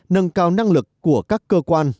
nâng cao năng lực của các cơ quan